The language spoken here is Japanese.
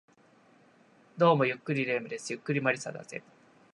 どうも、ゆっくり霊夢です。ゆっくり魔理沙だぜ